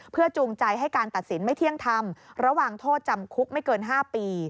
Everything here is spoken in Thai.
เพื่อจูงใจให้การตัดสินไม่เที่ยงธรรมระหว่างโทษจำคุกไม่เกิน๕ปี